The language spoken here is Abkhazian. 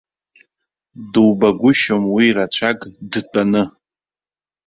Дубагәышьом уи рацәак дтәаны.